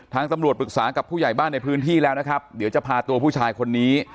ทางตำรวจปรึกษากับผู้ใหญ่บ้านในพื้นที่แล้วนะครับเดี๋ยวจะพาตัวผู้ชายคนนี้